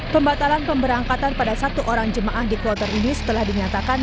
pembatalan pemberangkatan pada satu orang jemaah di kloter ini setelah dinyatakan